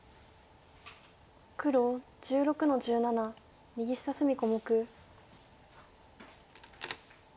黒１６の十七右下隅小目。